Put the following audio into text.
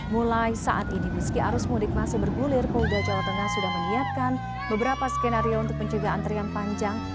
mulai saat ini meski arus mudik masih bergulir polda jawa tengah sudah menyiapkan beberapa skenario untuk mencegah antrian panjang